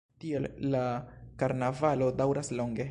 Tiel la karnavalo daŭras longe.